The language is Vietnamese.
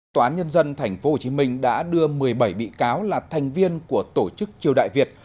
tòa án nhân dân tp hcm đã đưa một mươi bảy bị cáo là thành viên của tổ chức triều đại việt